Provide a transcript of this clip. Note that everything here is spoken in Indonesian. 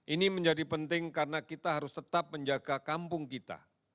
ini menjadi penting karena kita harus tetap menjaga kampung kita